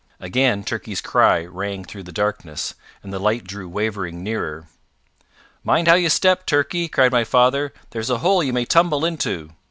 Again Turkey's cry rang through the darkness, and the light drew wavering nearer. "Mind how you step, Turkey," cried my father. "There's a hole you may tumble into."